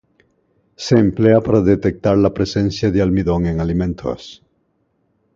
Se emplea para detectar la presencia de almidón en alimentos.